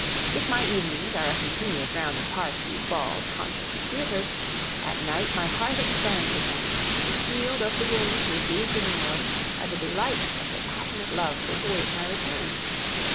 If my evenings are a continuous round of parties, balls, concerts, and theatres, at night my heart expands again, and is healed of the wounds received in the world by the delights of the passionate love which await my return.